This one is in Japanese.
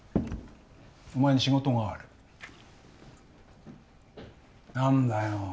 お前に仕事がある何だよ